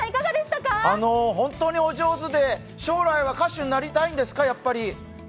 本当にお上手で将来は歌手になりたんですか？